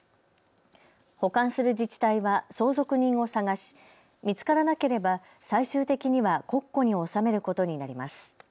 保管する自治体は相続人を探し見つからなければ最終的には国庫に納めることになります。